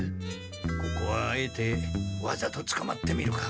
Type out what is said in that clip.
ここはあえてわざとつかまってみるか。